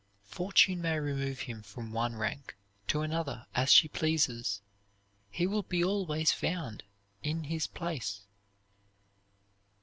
Fortune may remove him from one rank to another as she pleases; he will be always found in his place."